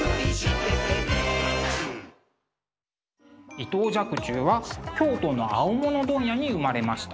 伊藤若冲は京都の青物問屋に生まれました。